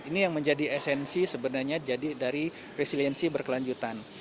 ini yang menjadi esensi sebenarnya jadi dari resiliensi berkelanjutan